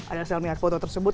ada sel minat foto tersebut